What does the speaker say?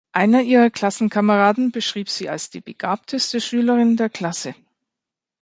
Einer ihrer Klassenkameraden beschrieb sie als die begabteste Schülerin der Klasse.